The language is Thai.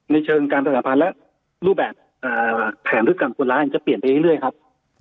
ในเชิงการตรษภัณฑ์และรูปแบบแผนฤกษ์การคนร้ายมันจะเปลี่ยนไปเรื่อยครับ